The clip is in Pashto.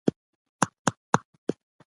که مسواک ونه وهل شي نو د خولې روغتیا خرابیږي.